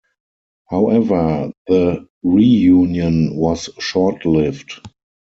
However, the reunion was short-lived.